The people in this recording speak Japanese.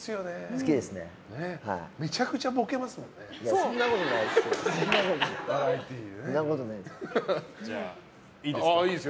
そんなことないですよ。